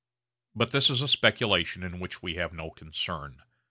But this is a speculation in which we have no concern.